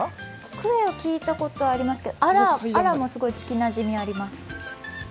クエは聞いたことがありますけど、アラもすごい聞きなじみがあります。